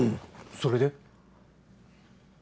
それで？